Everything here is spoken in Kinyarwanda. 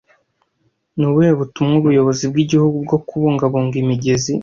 Ni ubuhe butumwa Ubuyobozi bw'igihugu bwo kubungabunga imigezi